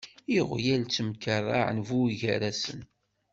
Iɣyal temkerraɛen buygarasen.